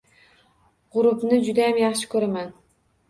— G ‘urubni judayam yaxshi ko‘raman.